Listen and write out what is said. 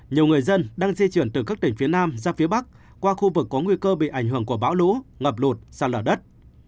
nhiều người dân đang di chuyển từ các tỉnh phía nam ra phía bắc qua khu vực có nguy cơ bị ảnh hưởng của bão lũ ngập lụt sạt lở đất